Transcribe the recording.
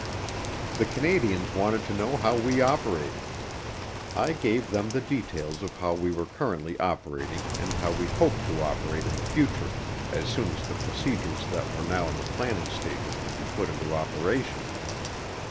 The Canadians wanted to know how we operated. I gave them the details of how we were currently operating and how we hoped to operate in the future, as soon as the procedures that were now in the planning stages could be put into operation.